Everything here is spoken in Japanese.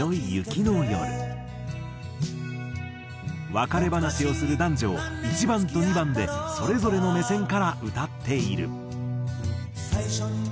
別れ話をする男女を１番と２番でそれぞれの目線から歌っている。